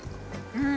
うん！